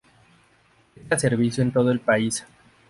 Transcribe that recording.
Presta servicio en todo el país.